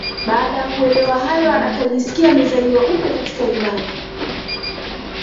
Baada ya kuelewa hayo akajisikia amezaliwa upya katika imani